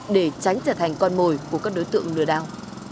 để tránh trở thành con mồi của các đối tượng lừa đảo